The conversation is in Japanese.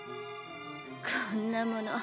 こんなもの